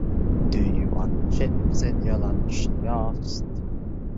"Do you want chips in your lunch?" She asked.